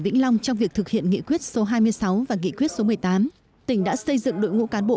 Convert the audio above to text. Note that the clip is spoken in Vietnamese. vĩnh long trong việc thực hiện nghị quyết số hai mươi sáu và nghị quyết số một mươi tám tỉnh đã xây dựng đội ngũ cán bộ